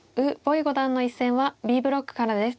五段の一戦はＢブロックからです。